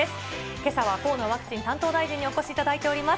けさは河野ワクチン担当大臣にお越しいただいております。